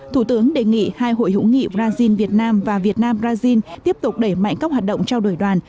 thủ tướng đề nghị hai hội hữu nghị brazil việt nam và việt nam brazil tiếp tục đẩy mạnh các hoạt động trao đổi đoàn